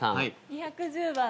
２１０番で。